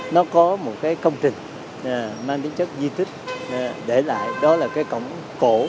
nó có một công trình mang tính chất di tích để lại đó là cổng cổ